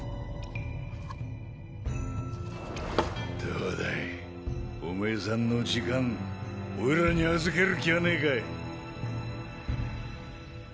どうだいおめぇさんの時間おいらに預ける気はねぇかい？